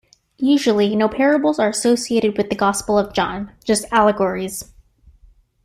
Usually, no parables are associated with the Gospel of John, just allegories.